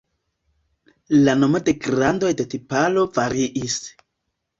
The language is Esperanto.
La nomo de grandoj de tiparo variis.